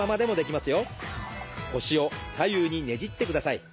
腰を左右にねじってください。